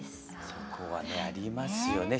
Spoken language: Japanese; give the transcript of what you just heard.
そこはねありますよね。